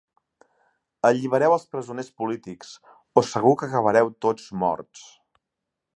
Allibereu els presoners polítics o segur que acabareu tots morts.